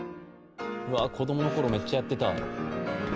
うわ子供の頃めっちゃやってた。